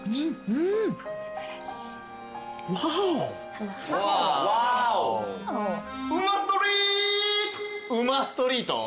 「うまストリート」？